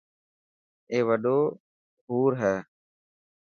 اي وڏو حور هي.